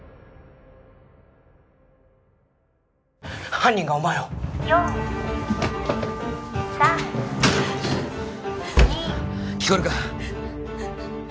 犯人がお前を４３２聞こえるか！？